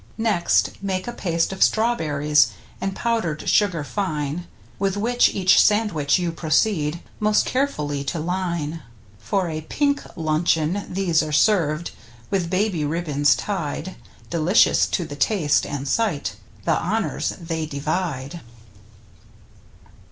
Next make a paste of strawberries And powdered sugar fine, With which each sandwich you proceed Most carefully to line. For a " pink " luncheon these are served With baby ribbon tied, Delicious to the taste, and sight. The honors they divide.